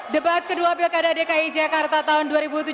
debat kedua pilkada dki jakarta tahun dua ribu tujuh belas